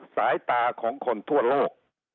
สายตาของคนทั่วโลก